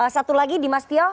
satu lagi dimastio